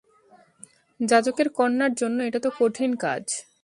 যাজকের কণ্যার জন্য এটা তো কঠিন কাজ।